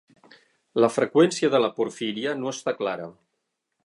La freqüència de la porfíria no està clara.